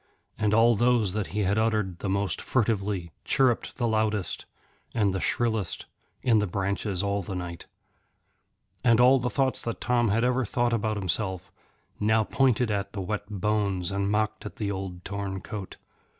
And all those that he had uttered the most furtively, chirrupped the loudest and the shrillest in the branches all the night. And all the thoughts that Tom had ever thought about himself now pointed at the wet bones and mocked at the old torn coat.